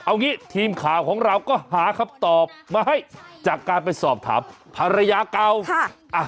เอางี้ทีมข่าวของเราก็หาคำตอบมาให้จากการไปสอบถามภรรยาเก่า